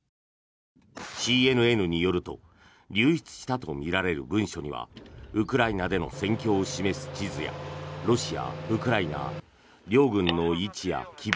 ＣＮＮによると流出したとみられる文書にはウクライナでの戦況を示す地図やロシア・ウクライナ両軍の位置や規模